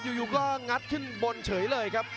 อยู่ก็งัดขึ้นบนเฉยเลยครับ